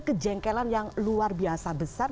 kejengkelan yang luar biasa besar